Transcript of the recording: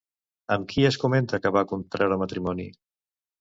Amb qui es comenta que va contraure matrimoni?